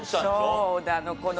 そうなの。